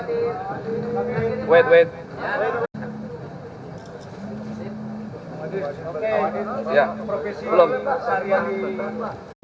buah heasan di jakarta